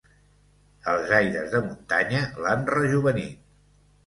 Els aires de muntanya l'han rejovenit.